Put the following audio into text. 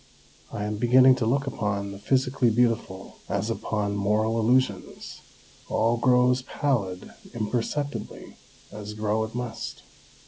I am beginning to look upon the physically beautiful as upon moral illusions ; all grows pallid imperceptibly, as grow it must.